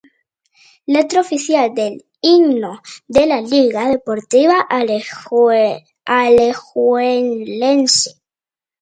Letra oficial del himno de la Liga Deportiva Alajuelense.